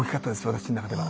私の中では。